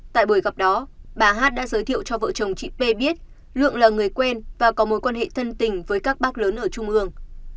tại buổi gặp đó bà hát đã giới thiệu cho vợ chồng chị p biết lượng là người quen và có mối quan hệ thân tình với các bác lớn ở trung ương